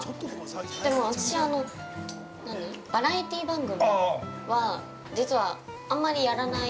でも、私、バラエティー番組は実は、あんまりやらない。